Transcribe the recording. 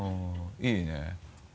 いいね。